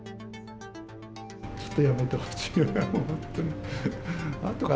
ちょっとやめてほしいな、本当に。